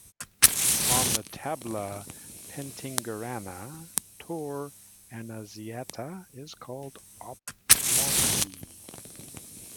On the Tabula Peutingeriana Torre Annunziata is called Oplonti.